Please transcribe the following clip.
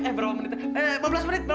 eh berapa menit